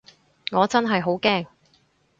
我真係好驚